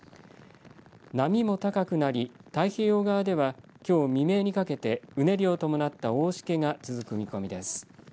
波も高くなり、太平洋側ではきょう未明にかけて、うねりを伴った大しけが続く見込みです。